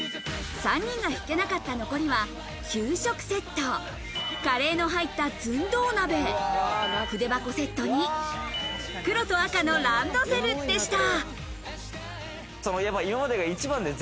３人が引けなかった残りは給食セット、カレーの入った寸胴鍋、筆箱セットに、黒と赤のランドセルでした。